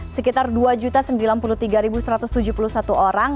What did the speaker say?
dua ribu tujuh belas sekitar dua sembilan puluh tiga satu ratus tujuh puluh satu orang